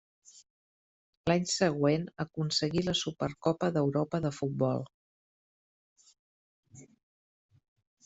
L'any següent aconseguí la Supercopa d'Europa de futbol.